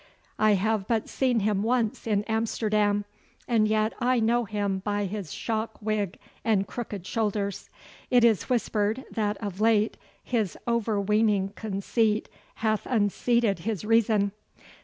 I have but seen him once in Amsterdam, and yet I know him by his shock wig and crooked shoulders. It is whispered that of late his overweening conceit hath unseated his reason.